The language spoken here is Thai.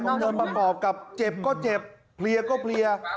ผมเดินประกอบกับเจ็บก็เจ็บเพลียก็เพลีย